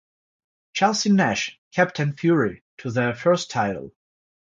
Chelsey Nash captained Fury to their first title.